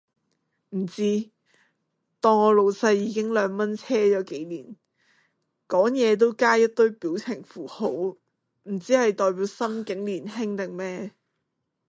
唔知，當我老細已經兩蚊車咗幾年，講嘢都加一堆表情符號，唔知係代表心境年輕定咩